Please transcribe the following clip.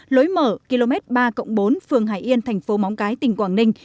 lối mở km ba bốn phường hải yên thành phố móng cái tỉnh quảng ninh